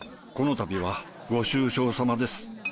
このたびはご愁傷さまです。